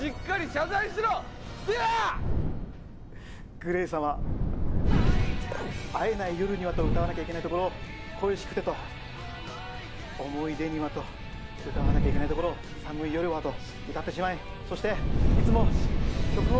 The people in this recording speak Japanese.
ＧＬＡＹ様「逢えない夜には、」と歌わなきゃいけない所を「恋しくて、」と「想い出には、」と歌わなきゃいけない所を「寒い夜は、」と歌ってしまいそしていつも曲を。